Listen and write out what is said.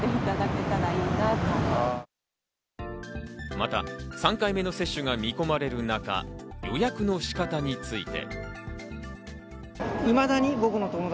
また３回目の接種が見込まれる中、予約の仕方について。